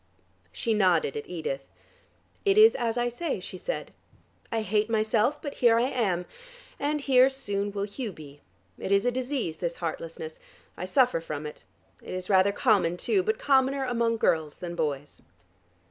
She nodded at Edith. "It is as I say," she said. "I hate myself, but here I am, and here soon will Hugh be. It is a disease, this heartlessness: I suffer from it. It is rather common too, but commoner among girls than boys."